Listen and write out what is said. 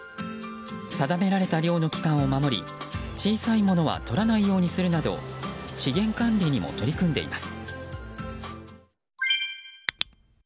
定められた漁の期間を守り小さいものはとらないようにするなど資源管理にも取り組んでいます。